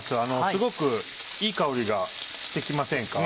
すごくいい香りがして来ませんか？